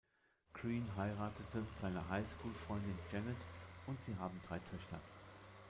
Green heiratete seine High-School-Freundin Janet und sie haben drei Töchter.